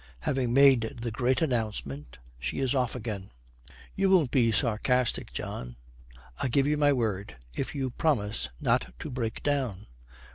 Having made the great announcement, she is off again. 'You won't be sarcastic, John?' 'I give you my word if you promise not to break down.'